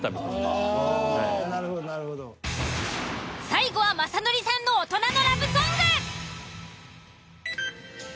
最後は雅紀さんの大人のラブソング。